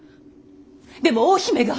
でも大姫が。